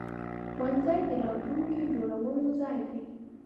ښوونځی د راتلونکي جوړولو ځای دی.